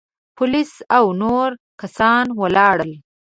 پوليس او نور کسان ولاړل.